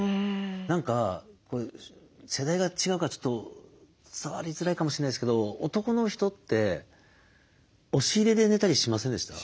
何か世代が違うからちょっと伝わりづらいかもしれないですけど男の人って押し入れで寝たりしませんでした？